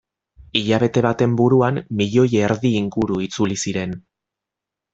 Hilabete baten buruan milioi erdi inguru itzuli ziren.